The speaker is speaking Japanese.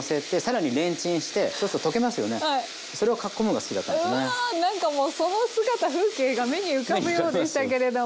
それを無理やりうわなんかもうその姿風景が目に浮かぶようでしたけれども。